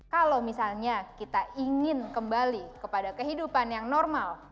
kalau misalnya kita ingin kembali kepada kehidupan yang normal